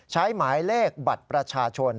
หมายเลขบัตรประชาชน